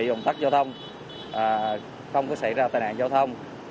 đơn vị ủng tắc giao thông không có xảy ra tài nạn giao thông